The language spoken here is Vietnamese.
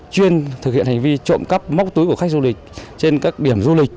chuyên thực hiện hành vi trộm cắp móc túi của khách du lịch trên các điểm du lịch